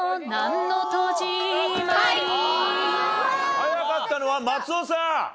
早かったのは松尾さん。